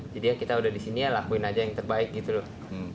jadi ya kita udah di sini ya lakuin aja yang terbaik gitu loh